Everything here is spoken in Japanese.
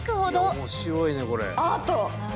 いや面白いねこれ。